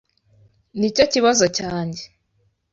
Nicyo kibazo cyanjye